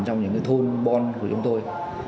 trong những thôn bon của chúng tôi